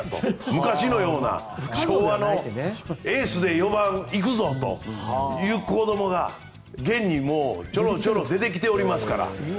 昔のような昭和のエースで４番で行くぞという子供が現にちょろちょろ出てきておりますから。